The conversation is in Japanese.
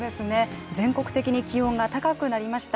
全国的に気温が高くなりました。